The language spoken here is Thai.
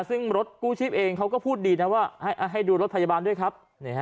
ซึ่งรถกู้ชีพเองเขาก็พูดดีนะว่าให้ดูรถพยาบาลด้วยครับ